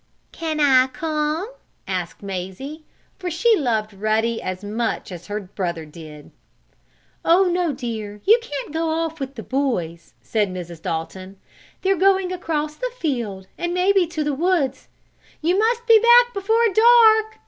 "Can't I come?" asked Mazie, for she loved Ruddy as much as did her brother. "Oh, no, dear! You can't go off with the boys," said Mrs. Dalton. "They're going across the field, and maybe to the woods. You must be back before dark!"